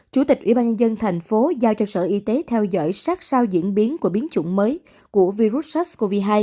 chủ tịch ủy ban nhân dân thành phố giao cho sở y tế theo dõi sát sao diễn biến của biến chủng mới của virus sars cov hai